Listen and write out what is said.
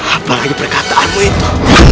apalagi perkataanmu itu